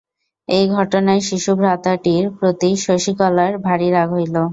এই ঘটনায় শিশু ভ্রাতাটির প্রতি শশিকলার ভারি রাগ হইল।